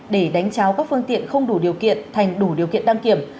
để đánh cháo các phương tiện không đủ điều kiện thành đủ điều kiện đăng kiểm